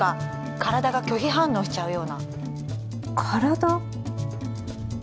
体が拒否反応しちゃうような体？